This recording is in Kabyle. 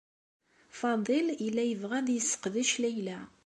Faḍil yella yebɣa ad yesseqdec Layla.